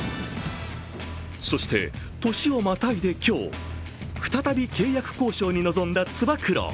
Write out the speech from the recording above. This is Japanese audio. そして、年をまたいで今日、再び契約交渉に臨んだつば九郎。